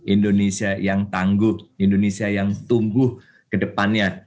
indonesia yang tangguh indonesia yang tunggu ke depannya